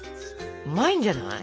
うまいんじゃない？